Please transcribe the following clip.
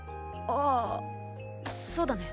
ああそだね。